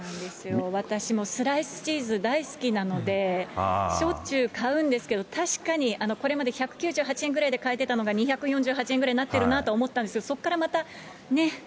私もスライスチーズ大好きなので、しょっちゅう買うんですけど、確かに、これまで１９８円ぐらいで買えてたのが、２４８円ぐらいになってるなと思ったんですけど、そこからまた、ねっ。